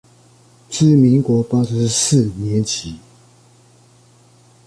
自民國八十四年起